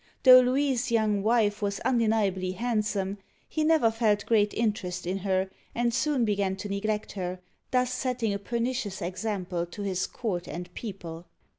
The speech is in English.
Though Louis's young wife was undeniably hand some, he never felt great interest in her, and soon began to neglect her, thus setting a pernicious example to his court and people.